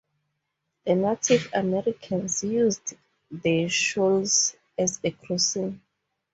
The Native Americans used the shoals as a crossing.